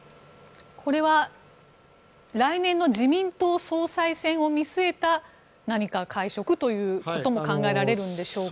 これは来年の自民党総裁選を見据えた会食ということも考えられるんでしょうか？